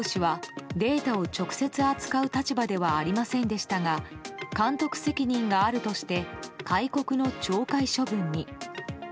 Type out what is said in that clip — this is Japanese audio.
古川飛行士はデータを直接扱う立場ではありませんでしたが監督責任があるとして戒告の懲戒処分に。